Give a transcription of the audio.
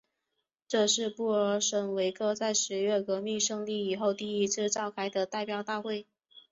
这是布尔什维克在十月革命胜利以后第一次召开的代表大会。